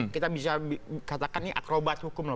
kita bisa katakan ini akrobat hukum loh